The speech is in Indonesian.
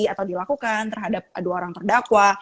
atau dilakukan terhadap dua orang terdakwa